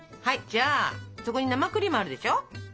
じゃあそこに生クリームがあるでしょ。